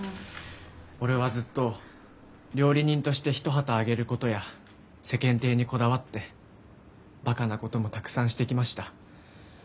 俺はずっと料理人として一旗揚げることや世間体にこだわってバカなこともたくさんしてきました。